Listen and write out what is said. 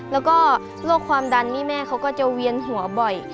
แล้วก็โรคความดันนี่แม่เขาก็จะเวียนหัวบ่อย